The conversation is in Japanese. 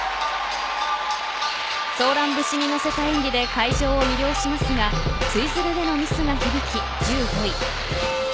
ソーラン節に乗せた演技で会場を魅了しますがツイズルでのミスが響き１５位。